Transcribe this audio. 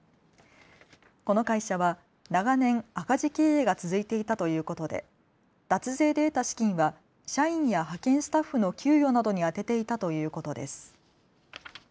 この会社は長年、赤字経営が続いていたということで脱税で得た資金は社員や派遣スタッフの給与などに充てていたということです。